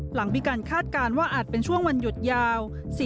หลังมีการคาดการณ์ว่าอาจเป็นช่วงวันหยุดยาว